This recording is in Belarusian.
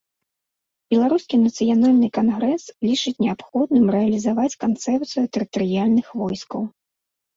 Беларускі нацыянальны кангрэс лічыць неабходным рэалізаваць канцэпцыю тэрытарыяльных войскаў.